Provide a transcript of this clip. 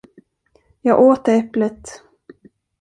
Jag åt det äpplet.